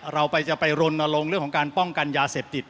เราจะไปรณรงค์เรื่องของการป้องกันยาเสพติด